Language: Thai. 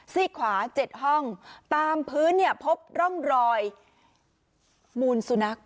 ซี่ขวา๗ห้องตามพื้นเนี่ยพบร่องรอยมูลสุนัข